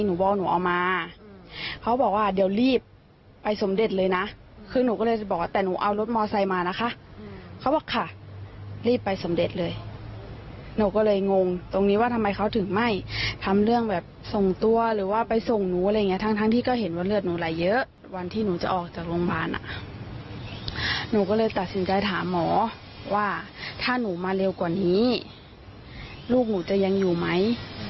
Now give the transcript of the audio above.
หนูก็เลยตัดสินใจถามหมอว่าถ้าหนูมาเร็วกว่านี้ลูกหนูจะยังอยู่ไหม